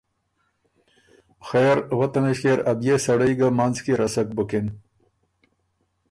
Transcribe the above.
خېر وه تمِݭکيې ر ا بئے سړئ ګه منځ کی رسک بُکِن،